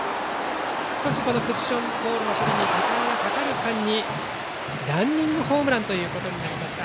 少しクッションボールの処理に時間がかかる間にランニングホームランとなりました。